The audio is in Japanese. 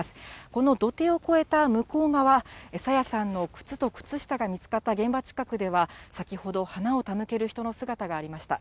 この土手を越えた向こう側、朝芽さんの靴と靴下が見つかった現場近くでは、先ほど、花を手向ける人の姿がありました。